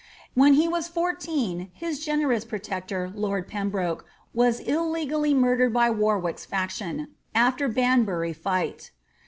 When be was fourteen, his generous protector lord Pembroke was illegally murdered by Warwick's faction, after Banbury fight.